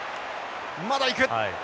まだ行く。